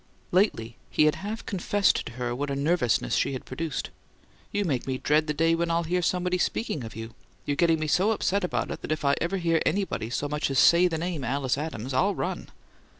Lately, he had half confessed to her what a nervousness she had produced. "You make me dread the day when I'll hear somebody speaking of you. You're getting me so upset about it that if I ever hear anybody so much as say the name 'Alice Adams,' I'll run!"